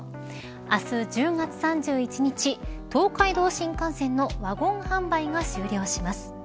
明日１０月３１日東海道新幹線のワゴン販売が終了します。